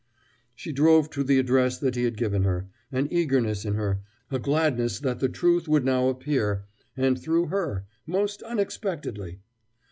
She drove to the address that he had given her, an eagerness in her, a gladness that the truth would now appear, and through her most unexpectedly!